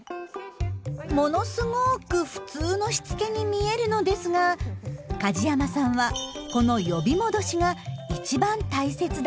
ものすごく普通のしつけに見えるのですが梶山さんはこの「呼び戻し」が一番大切だと言います。